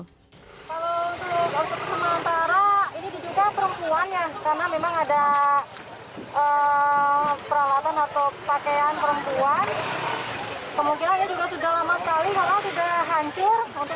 kalau untuk sementara ini diduga perempuannya karena memang ada peralatan atau pakaian perempuan